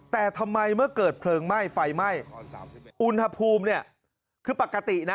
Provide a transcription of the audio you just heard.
แต่ทำไมเมื่อเกิดเพลิงไหม้ไฟไหม้อุณหภูมิเนี่ยคือปกตินะ